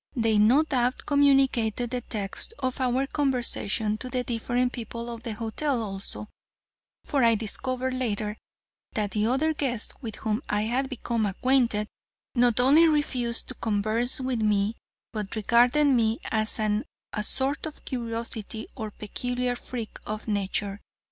They no doubt communicated the text of our conversation to the different people of the hotel, also, for I discovered later that the other guests with whom I had become acquainted, not only refused to converse with me, but regarded me as a sort of curiosity or peculiar freak of nature.